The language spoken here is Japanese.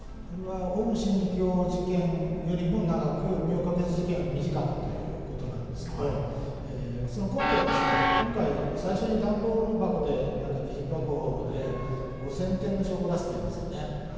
オウム真理教事件よりも長く、明覚寺事件より短くということなんですけれども、その根拠は、今回、最初にダンボール箱で２０箱、５０００点の証拠を出すというんですね。